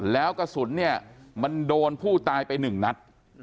แล้วกระสุนเนี่ยมันโดนผู้ตายไป๑นัด